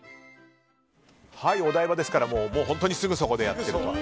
お台場ですから本当にすぐそこでやってます。